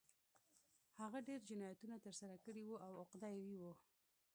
هغه ډېر جنایتونه ترسره کړي وو او عقده اي و